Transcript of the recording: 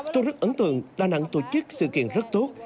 tôi rất ấn tượng đà nẵng tổ chức sự kiện rất tốt